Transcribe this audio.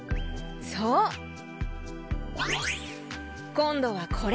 こんどはこれ。